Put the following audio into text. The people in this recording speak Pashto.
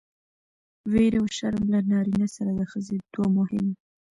ويره او شرم له نارينه سره د ښځې دوه مهم